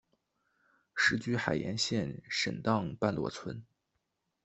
世居海盐县沈荡半逻村。